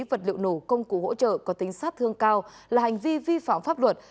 vật liệu nổ công cụ hỗ trợ có tính sát thương cao là hành vi vi phạm pháp luật